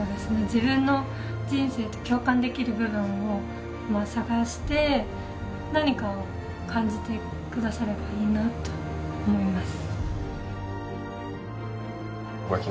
自分の人生と共感できる部分を探して何かを感じてくださればいいなと思います